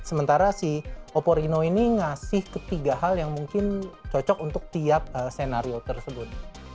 sementara si oppo reno ini ngasih ketiga hal yang mungkin cocok untuk tiap senario tersebut